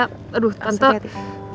tante agak bosen sekali itu di rumah